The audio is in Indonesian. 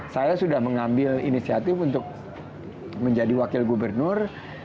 saya sudah mengambil inisiatif untuk menjadi wakil gubernur